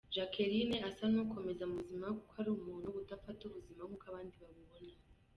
Jacqueline asa n’ukomeza ubuzima kuko ari umuntu udafata ubuzima nk’uko abandi babubona.